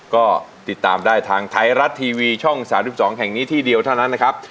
ก็ติดตามได้ทางไทยรัฐทีวีช่อง๓๒แห่งนี้ที่เดียวเท่านั้นนะครับ